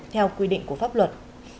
theo quy định của pháp luật